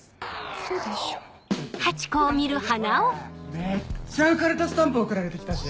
めっちゃ浮かれたスタンプ送られて来たし。